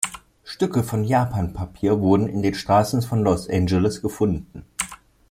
Stücke von Japanpapier wurden in den Straßen von Los Angeles gefunden.